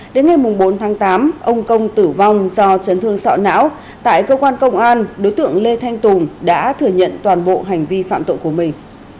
đến ngày bốn tháng tám ông công tử vong do chấn thương sọ não tại cơ quan công an đối tượng lê thanh tùng đã thừa nhận toàn bộ hành vi phạm tội của mình